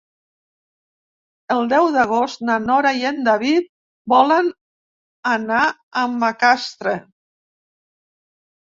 El deu d'agost na Nora i en David volen anar a Macastre.